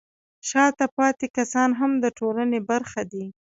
شاته پاتې کسان هم د ټولنې برخه دي.